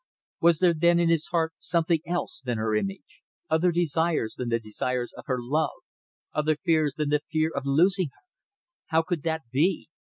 Was there then in his heart something else than her image, other desires than the desires of her love, other fears than the fear of losing her? How could that be?